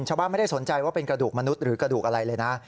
ชาวบ้านไม่ได้สนใจว่าเป็นกระดูกมนุษย์หรือกระดูกอะไรเลยนะ